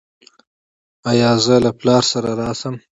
ایا زه له پلار سره راشم؟